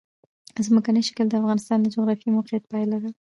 ځمکنی شکل د افغانستان د جغرافیایي موقیعت پایله ده.